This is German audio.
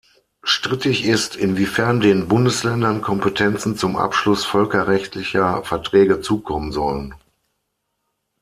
Strittig ist, inwiefern den Bundesländern Kompetenzen zum Abschluss völkerrechtlicher Verträge zukommen sollen.